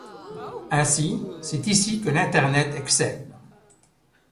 Ainsi, c’est ici que l’Internet excelle.